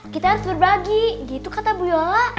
kita harus berbagi gitu kata bu yola